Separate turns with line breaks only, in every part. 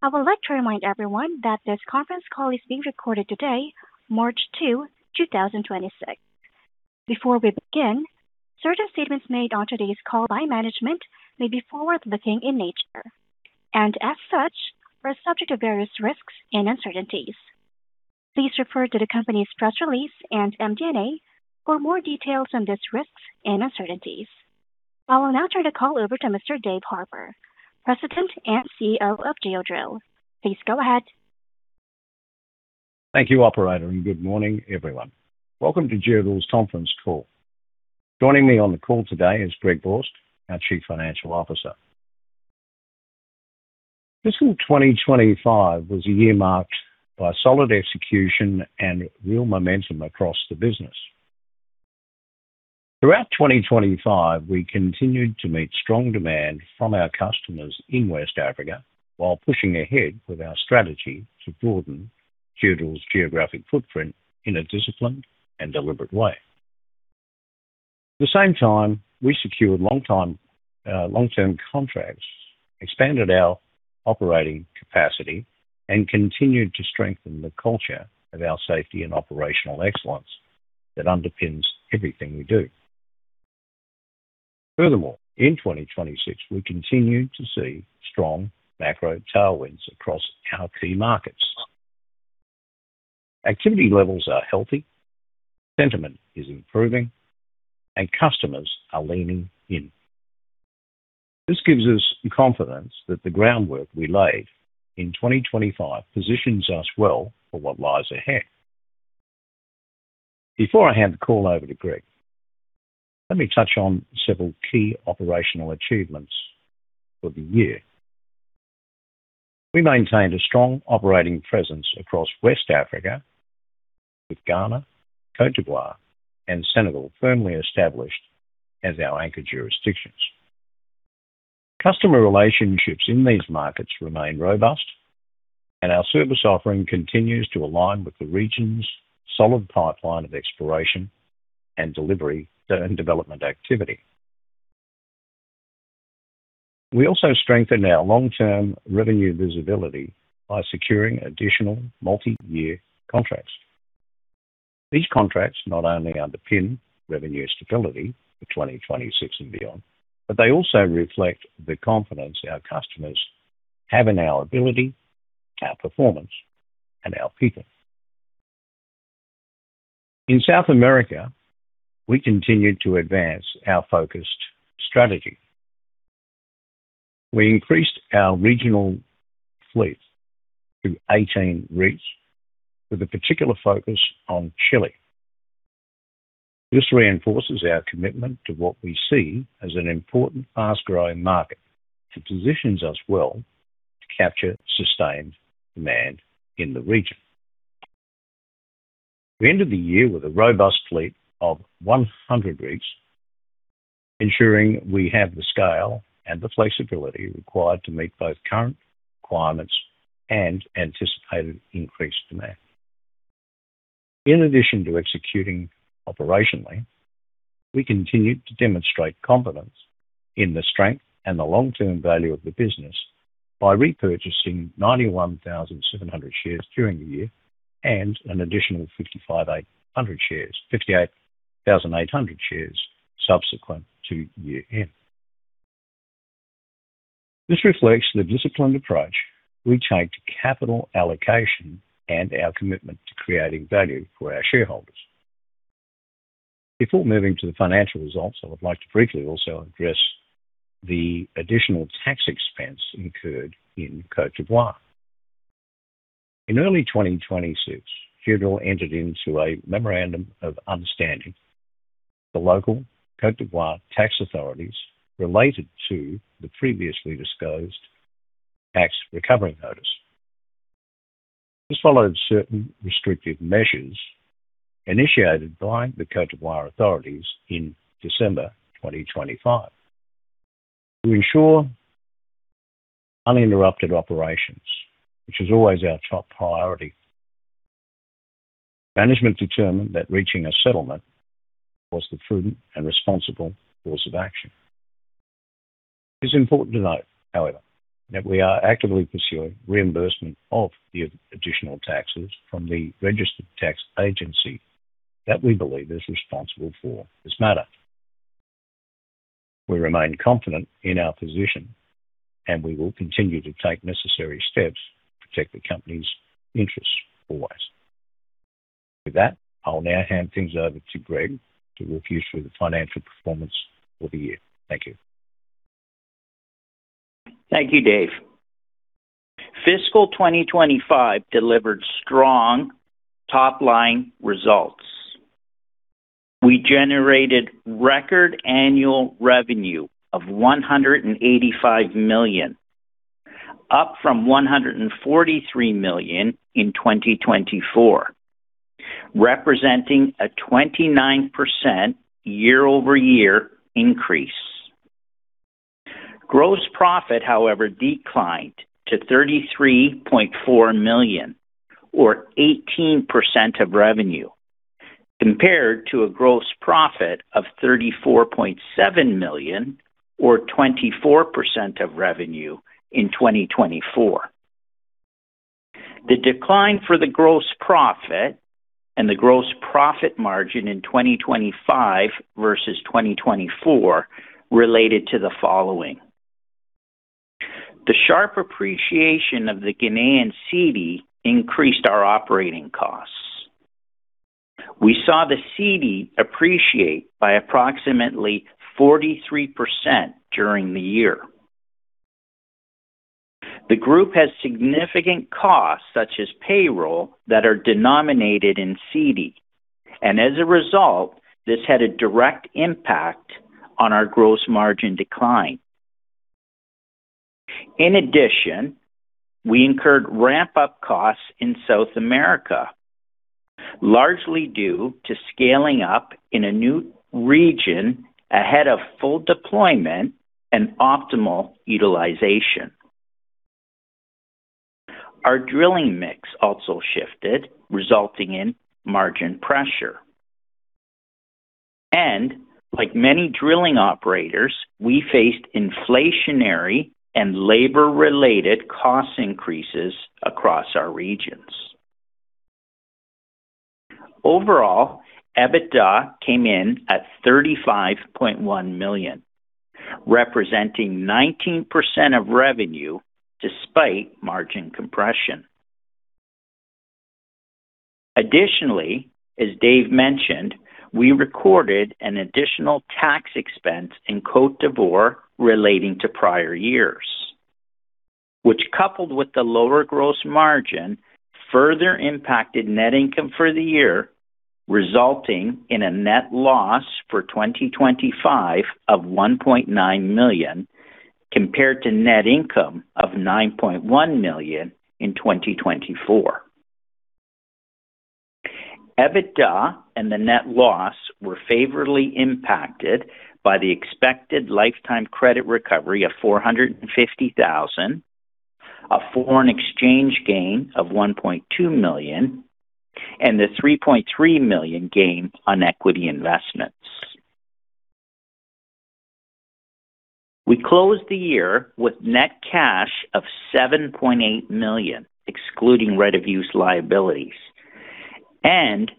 I would like to remind everyone that this conference call is being recorded today, March 2nd, 2026. Before we begin, certain statements made on today's call by management may be forward-looking in nature. As such, are subject to various risks and uncertainties. Please refer to the company's press release and MD&A for more details on these risks and uncertainties. I will now turn the call over to Mr. Dave Harper, President and CEO of Geodrill. Please go ahead.
Thank you, operator, good morning, everyone. Welcome to Geodrill's conference call. Joining me on the call today is Greg Borsk, our Chief Financial Officer. Fiscal 2025 was a year marked by solid execution and real momentum across the business. Throughout 2025, we continued to meet strong demand from our customers in West Africa while pushing ahead with our strategy to broaden Geodrill's geographic footprint in a disciplined and deliberate way. At the same time, we secured longtime, long-term contracts, expanded our operating capacity, and continued to strengthen the culture of our safety and operational excellence that underpins everything we do. In 2026, we continued to see strong macro tailwinds across our key markets. Activity levels are healthy, sentiment is improving, and customers are leaning in. This gives us confidence that the groundwork we laid in 2025 positions us well for what lies ahead. Before I hand the call over to Greg, let me touch on several key operational achievements for the year. We maintained a strong operating presence across West Africa, with Ghana, Côte d'Ivoire, and Senegal firmly established as our anchor jurisdictions. Customer relationships in these markets remain robust, and our service offering continues to align with the region's solid pipeline of exploration and delivery and development activity. We also strengthened our long-term revenue visibility by securing additional multi-year contracts. These contracts not only underpin revenue stability for 2026 and beyond, but they also reflect the confidence our customers have in our ability, our performance, and our people. In South America, we continued to advance our focused strategy. We increased our regional fleet to 18 rigs with a particular focus on Chile. This reinforces our commitment to what we see as an important fast-growing market. It positions us well to capture sustained demand in the region. We ended the year with a robust fleet of 100 rigs, ensuring we have the scale and the flexibility required to meet both current requirements and anticipated increased demand. In addition to executing operationally, we continued to demonstrate confidence in the strength and the long-term value of the business by repurchasing 91,700 shares during the year and an additional 58,800 shares subsequent to year-end. This reflects the disciplined approach we take to capital allocation and our commitment to creating value for our shareholders. Before moving to the financial results, I would like to briefly also address the additional tax expense incurred in Côte d'Ivoire. In early 2026, Geodrill entered into a memorandum of understanding with the local Cote d'Ivoire tax authorities related to the previously disclosed tax recovery notice. This followed certain restrictive measures initiated by the Cote d'Ivoire authorities in December 2025. To ensure uninterrupted operations, which is always our top priority, management determined that reaching a settlement was the prudent and responsible course of action. It's important to note, however, that we are actively pursuing reimbursement of the additional taxes from the registered tax agency that we believe is responsible for this matter. We remain confident in our position, and we will continue to take necessary steps to protect the company's interests always. With that, I'll now hand things over to Greg to walk you through the financial performance for the year. Thank you.
Thank you, Dave. Fiscal 2025 delivered strong top-line results. We generated record annual revenue of $185 million, up from $143 million in 2024, representing a 29% year-over-year increase. Gross profit, however, declined to $33.4 million or 18% of revenue. Compared to a gross profit of $34.7 million or 24% of revenue in 2024. The decline for the gross profit and the gross profit margin in 2025 versus 2024 related to the following. The sharp appreciation of the Ghanaian Cedi increased our operating costs. We saw the Cedi appreciate by approximately 43% during the year. The group has significant costs, such as payroll, that are denominated in Cedi. As a result, this had a direct impact on our gross margin decline. In addition, we incurred ramp-up costs in South America, largely due to scaling up in a new region ahead of full deployment and optimal utilization. Our drilling mix also shifted, resulting in margin pressure. Like many drilling operators, we faced inflationary and labor-related cost increases across our regions. Overall, EBITDA came in at $35.1 million, representing 19% of revenue despite margin compression. Additionally, as Dave mentioned, we recorded an additional tax expense in Côte d'Ivoire relating to prior years, which, coupled with the lower gross margin, further impacted net income for the year, resulting in a net loss for 2025 of $1.9 million compared to net income of $9.1 million in 2024. EBITDA and the net loss were favorably impacted by the lifetime expected credit loss of $450,000, a foreign exchange gain of $1.2 million, and the $3.3 million gain on equity investments. We closed the year with net cash of $7.8 million, excluding right of use liabilities and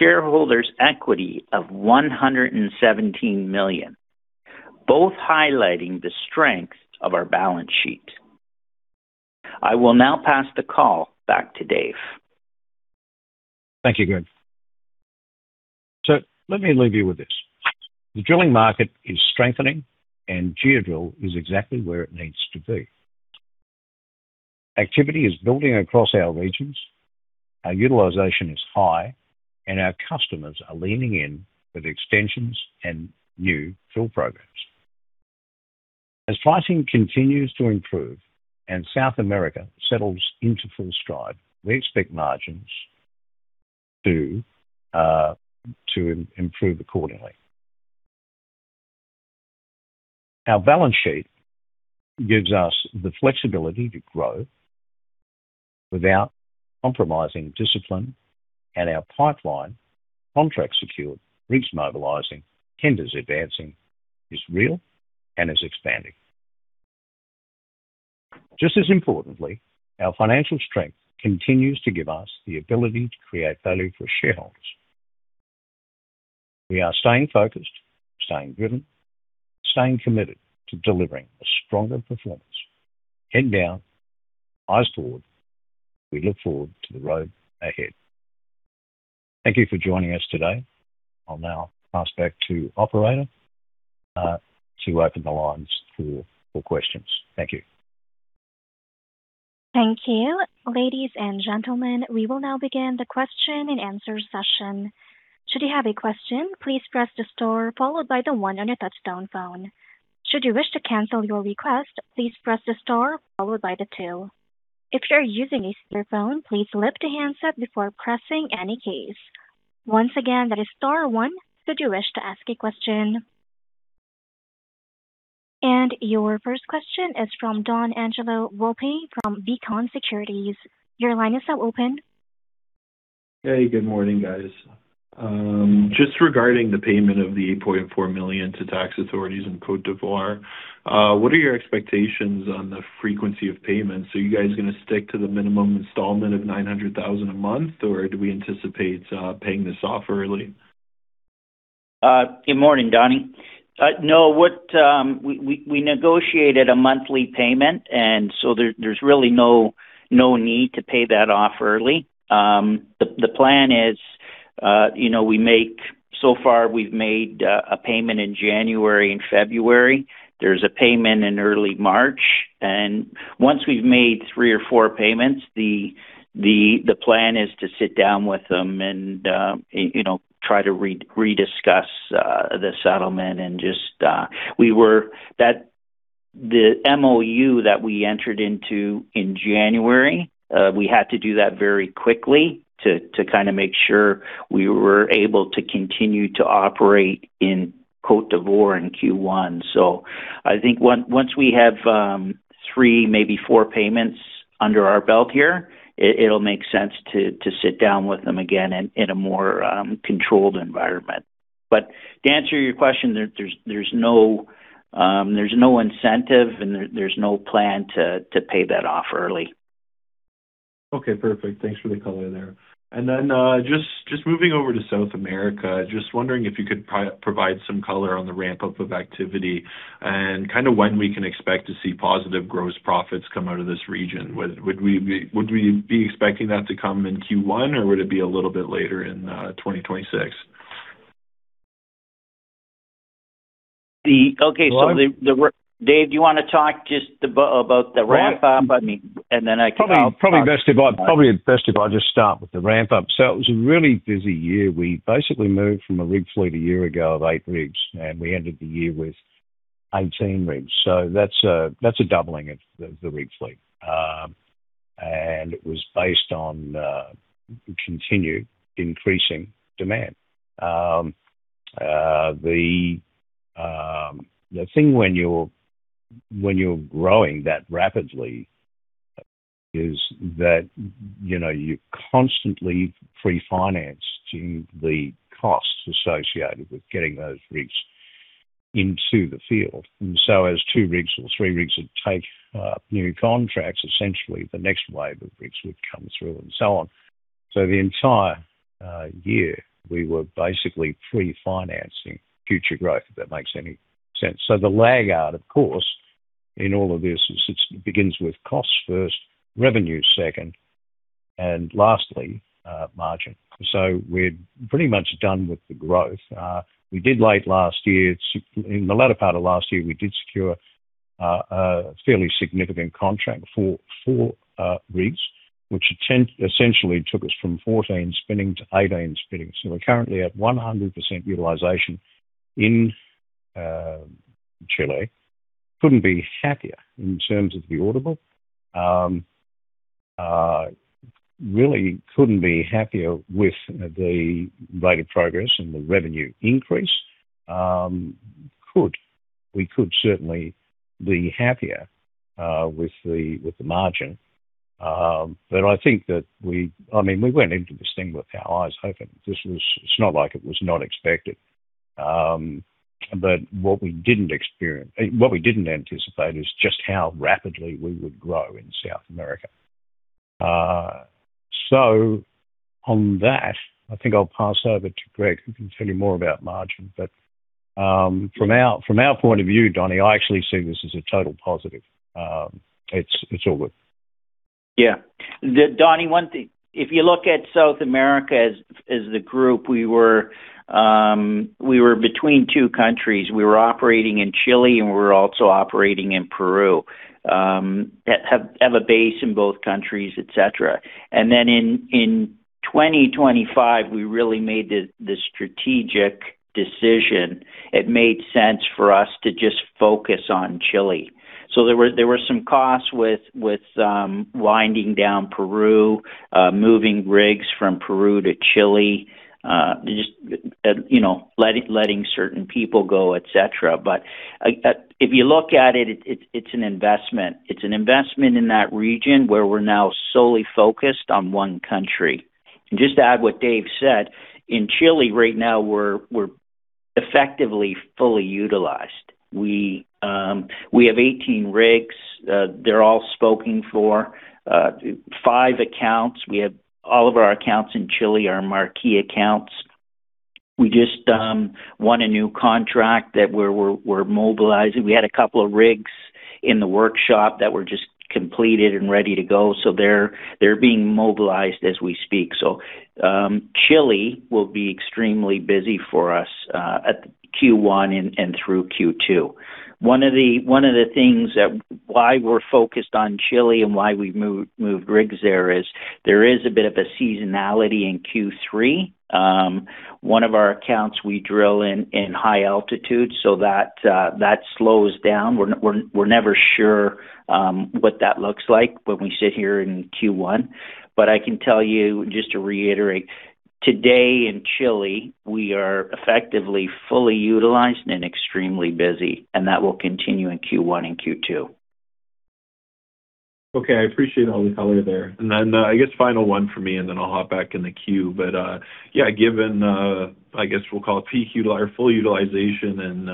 shareholders' equity of $117 million, both highlighting the strength of our balance sheet. I will now pass the call back to Dave.
Thank you, Greg. Let me leave you with this. The drilling market is strengthening and Geodrill is exactly where it needs to be. Activity is building across our regions. Our utilization is high and our customers are leaning in with extensions and new fill programs. As pricing continues to improve and South America settles into full stride, we expect margins to improve accordingly. Our balance sheet gives us the flexibility to grow without compromising discipline. Our pipeline contract secured, rigs mobilizing, tenders advancing is real and is expanding. Just as importantly, our financial strength continues to give us the ability to create value for shareholders. We are staying focused, staying driven, staying committed to delivering a stronger performance. Head down, eyes forward, we look forward to the road ahead. Thank you for joining us today. I'll now pass back to operator to open the lines for questions. Thank you.
Thank you. Ladies and gentlemen, we will now begin the question-and-answer session. Should you have a question, please press the star followed by the one on your touchtone phone. Should you wish to cancel your request, please press the star followed by the two. If you're using a speakerphone, please lift the handset before pressing any keys. Once again, that is star one should you wish to ask a question. Your first question is from Donangelo Volpe from Beacon Securities. Your line is now open.
Hey, good morning, guys. Just regarding the payment of the $8.4 million to tax authorities in Côte d'Ivoire, what are your expectations on the frequency of payments? Are you guys gonna stick to the minimum installment of $900,000 a month, or do we anticipate paying this off early?
Good morning, Donnie. No. We negotiated a monthly payment, there's really no need to pay that off early. The plan is, you know, so far, we've made a payment in January and February. There's a payment in early March. Once we've made three or four payments, the plan is to sit down with them and, you know, try to rediscuss the settlement. Just, The MoU that we entered into in January, we had to do that very quickly to kinda make sure we were able to continue to operate in Côte d'Ivoire in Q1. I think once we have three, maybe four payments under our belt here, it'll make sense to sit down with them again in a more controlled environment. To answer your question, there's no incentive and there's no plan to pay that off early.
Okay, perfect. Thanks for the color there. Then, just moving over to South America, just wondering if you could provide some color on the ramp-up of activity and kinda when we can expect to see positive gross profits come out of this region. Would we be expecting that to come in Q1 or would it be a little bit later in 2026?
Okay. Dave, do you wanna talk just about the ramp up?
Yeah. Probably best if I just start with the ramp up. It was a really busy year. We basically moved from a rig fleet a year ago of eight rigs, and we ended the year with 18 rigs. That's a doubling of the rig fleet. It was based on continued increasing demand. The thing when you're growing that rapidly is that, you know, you're constantly pre-financing the costs associated with getting those rigs into the field. As two rigs or three rigs would take new contracts, essentially the next wave of rigs would come through and so on. The entire year, we were basically pre-financing future growth, if that makes any sense. The lag out, of course, in all of this is it begins with costs first, revenue second, and lastly, margin. We're pretty much done with the growth. We did late last year. In the latter part of last year, we did secure a fairly significant contract for four rigs, which essentially took us from 14 spinning-18 spinning. We're currently at 100% utilization in Chile. Couldn't be happier in terms of the audible. Really couldn't be happier with the rate of progress and the revenue increase. We could certainly be happier with the, with the margin. I think that, I mean, we went into this thing with our eyes open. It's not like it was not expected. What we didn't anticipate is just how rapidly we would grow in South America. On that, I think I'll pass over to Greg, who can tell you more about margin. But, from our, from our point of view, Donnie, I actually see this as a total positive. It's, it's all good.
Yeah. Donnie, one thing. If you look at South America as the group, we were between two countries. We were operating in Chile, we were also operating in Peru. Have a base in both countries etc. In 2025, we really made the strategic decision. It made sense for us to just focus on Chile. There were some costs with winding down Peru, moving rigs from Peru to Chile, just, you know, letting certain people go etc. If you look at it's an investment. It's an investment in that region where we're now solely focused on one country. Just to add what Dave said, in Chile right now, we're effectively fully utilized. We have 18 rigs. They're all spoken for. Five accounts. We have all of our accounts in Chile are marquee accounts. We just won a new contract that we're mobilizing. We had a couple of rigs in the workshop that were just completed and ready to go, so they're being mobilized as we speak. Chile will be extremely busy for us at Q1 and through Q2. One of the things that why we're focused on Chile and why we moved rigs there is there is a bit of a seasonality in Q3. One of our accounts we drill in high altitude, so that slows down. We're never sure what that looks like when we sit here in Q1. I can tell you, just to reiterate, today in Chile, we are effectively fully utilized and extremely busy, and that will continue in Q1 and Q2.
Okay. I appreciate all the color there. Then, I guess final one for me, and then I'll hop back in the queue. Yeah given, I guess we'll call it peak full utilization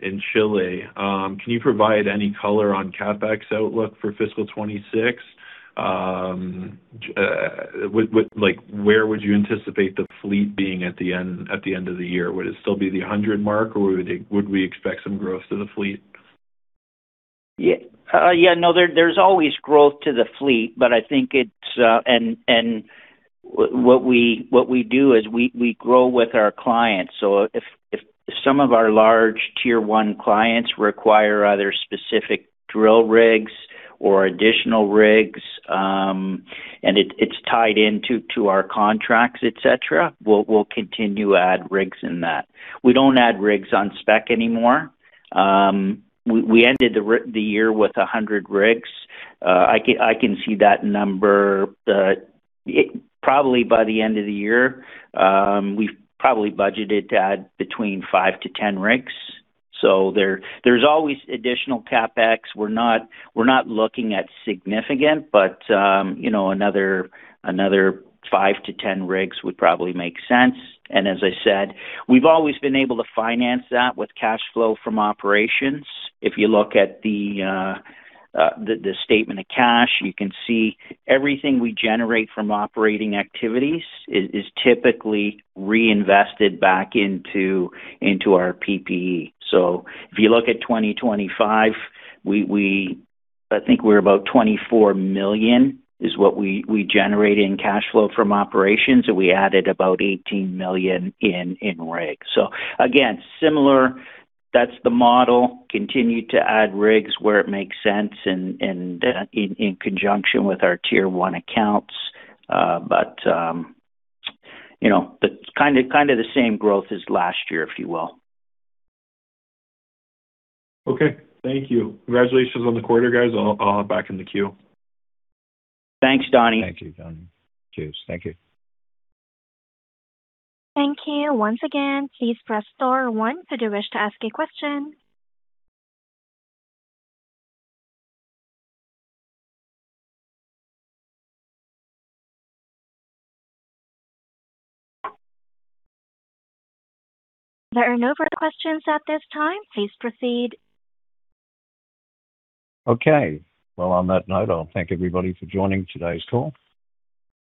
in Chile, can you provide any color on CapEx outlook for fiscal 2026? Like, where would you anticipate the fleet being at the end, at the end of the year? Would it still be the 100 mark, or would we expect some growth to the fleet?
Yeah. There's always growth to the fleet, but I think it's. What we do is we grow with our clients. If some of our large tier one clients require either specific drill rigs or additional rigs, and it's tied into our contracts, etc, we'll continue to add rigs in that. We don't add rigs on spec anymore. We ended the year with 100 rigs. I can see that number probably by the end of the year, we've probably budgeted to add between 5-10 rigs. There's always additional CapEx. We're not looking at significant, but, you know, another 5-10 rigs would probably make sense. As I said, we've always been able to finance that with cash flow from operations. If you look at the statement of cash, you can see everything we generate from operating activities is typically reinvested back into our PPE. If you look at 2025, I think we're about $24 million is what we generate in cash flow from operations, and we added about $18 million in rigs. Again, similar, that's the model. Continue to add rigs where it makes sense and in conjunction with our tier one accounts. you know, kinda the same growth as last year, if you will.
Okay. Thank you. Congratulations on the quarter, guys. I'll hop back in the queue.
Thanks, Donnie.
Thank you, Donnie. Cheers.
Thank you. Once again, please press star one if you wish to ask a question. There are no further questions at this time. Please proceed.
Okay. On that note, I'll thank everybody for joining today's call.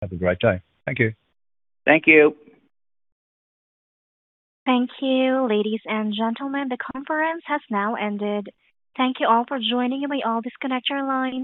Have a great day. Thank you.
Thank you.
Thank you, ladies and gentlemen. The conference has now ended. Thank you all for joining. You may all disconnect your lines.